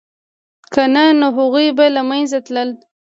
که نه نو هغوی به له منځه تلل